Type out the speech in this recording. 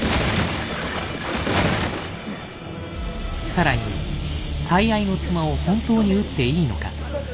更に「最愛の妻を本当に撃っていいのか」。